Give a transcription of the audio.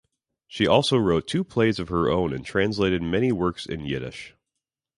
She also wrote two plays of her own and translated many works in Yiddish.